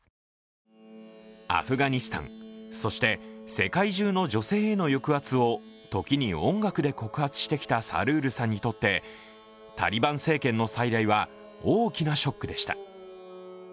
アフガニスタン、そして世界中の女性への抑圧を時に音楽で告発してきたサルールさんにとってタリバン政権の再来は大きなショックでした。